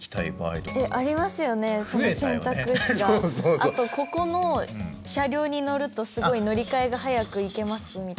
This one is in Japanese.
あとここの車両に乗るとすごい乗り換えが早くいけますみたいな。